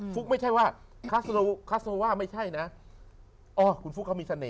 ฟุ๊กไม่ใช่ว่าคัสโซว่าไม่ใช่นะอ๋อคุณฟุ๊กเขามีเสน่ห